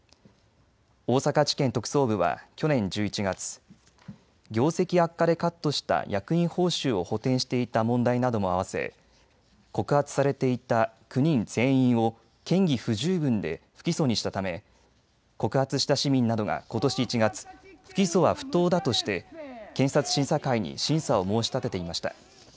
大阪地検特捜部は去年１１月、業績悪化でカットした役員報酬を補填していた問題などもあわせ告発されていた９人全員を嫌疑不十分で不起訴にしたため、告発した市民などがことし１月、不起訴は不当だとして検察審査会に審査を申し立てていました。